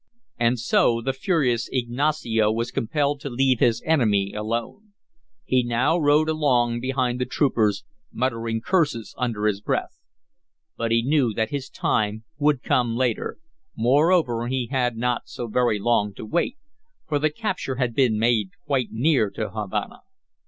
And so the furious Ignacio was compelled to leave his enemy alone. He now rode along behind the troopers, muttering curses under his breath. But he knew that his time would come later; moreover he had not so very long to wait, for the capture had been made quite near to Havana.